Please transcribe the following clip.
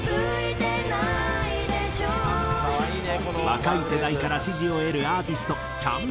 若い世代から支持を得るアーティストちゃん